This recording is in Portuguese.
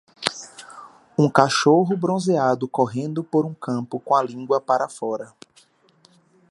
um cachorro bronzeado correndo por um campo com a língua para fora